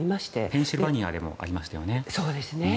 ペンシルベニアでもありましたよね。